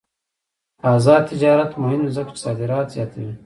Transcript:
آزاد تجارت مهم دی ځکه چې صادرات زیاتوي.